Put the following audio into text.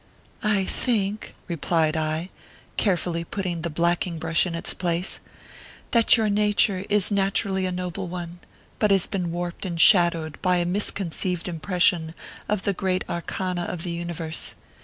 " I think," replied I, carefully putting the black ing brush in its place, " that your nature is naturally a noble one, but has been warped and shadowed by a misconceived impression of the great arcana of the universe.